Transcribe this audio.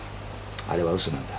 あれはウソなんだ。